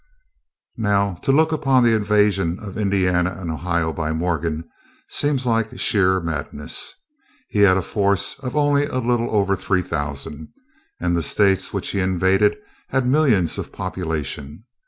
Now, to look upon the invasion of Indiana and Ohio by Morgan seems like sheer madness. He had a force of only a little over three thousand, and the states which he invaded had millions of population.